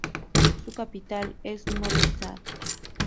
Su capital es Novi Sad.